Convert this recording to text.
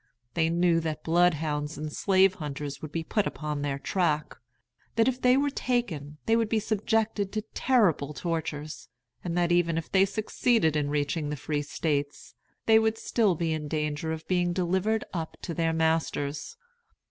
They knew that bloodhounds and slave hunters would be put upon their track; that if they were taken, they would be subjected to terrible tortures; and that, even if they succeeded in reaching the Free States, they would still be in danger of being delivered up to their masters.